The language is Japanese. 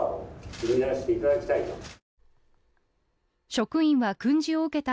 職員は訓示を受けた